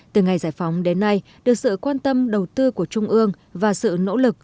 từ ngày giải phóng đến nay được sự quan tâm đầu tư của trung ương và sự nỗ lực